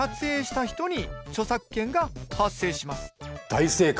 大正解。